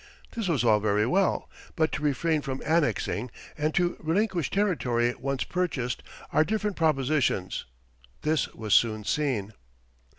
This was all very well, but to refrain from annexing and to relinquish territory once purchased are different propositions. This was soon seen.